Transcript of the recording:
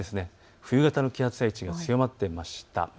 冬型の気圧配置が強まっていました。